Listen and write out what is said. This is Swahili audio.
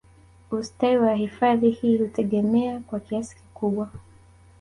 Ustawi wa hifadhi hii hutegemea kwa kiasi kikubwa